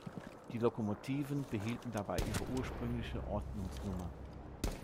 Die Lokomotiven behielten dabei ihre ursprüngliche Ordnungsnummer.